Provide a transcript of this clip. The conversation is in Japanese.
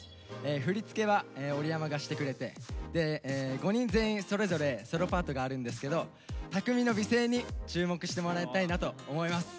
振り付けは織山がしてくれて５人全員それぞれソロパートがあるんですけど拓実の美声に注目してもらいたいなと思います。